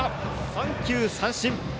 三球三振！